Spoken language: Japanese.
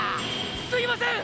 すいません！